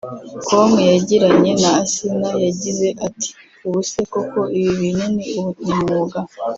com yagiranye na Asinah yagize ati”Ubuse koko ibi bintu ni ubunyamwuga